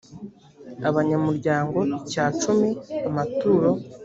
abanyamuryango icya cumi amaturo